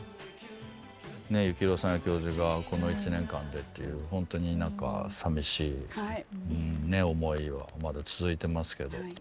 幸宏さんや教授がこの１年間でっていう本当に何か寂しい思いはまだ続いてますけど。